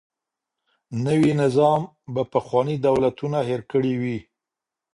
نوی نظام به پخواني دولتونه هیر کړي وي.